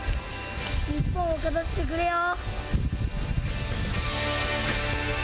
日本を勝たせてくれよ。